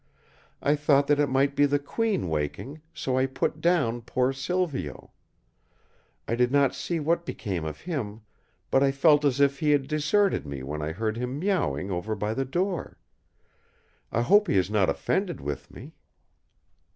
I thought that it might be the Queen waking, so I put down poor Silvio. I did not see what became of him; but I felt as if he had deserted me when I heard him mewing over by the door. I hope he is not offended with me!"